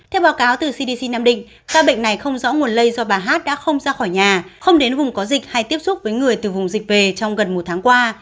theo báo cáo từ cdc nam định ca bệnh này không rõ nguồn lây do bà hát đã không ra khỏi nhà không đến vùng có dịch hay tiếp xúc với người từ vùng dịch về trong gần một tháng qua